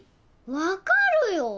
分かるよ。